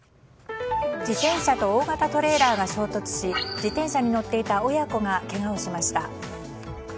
自転車と大型トレーラーが衝突し自転車に乗っていた親子がけがをしました。